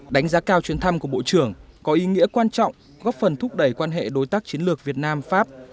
đánh giá cao chuyến thăm của bộ trưởng có ý nghĩa quan trọng góp phần thúc đẩy quan hệ đối tác chiến lược việt nam pháp